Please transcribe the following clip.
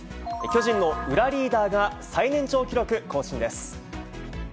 巨人の裏リーダーが、最年長記録更新です。